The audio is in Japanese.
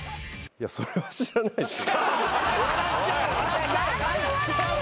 それは知らないですよ。